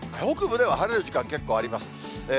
北部では晴れる時間、結構あります。